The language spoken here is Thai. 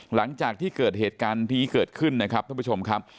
หลังจากที่เกิดเหตุการณ์นี้เกิดขึ้นนะครับท่านผู้ชมครับ